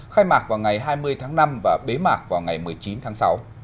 khai mạc vào ngày hai mươi tháng năm và bế mạc vào ngày một mươi chín tháng sáu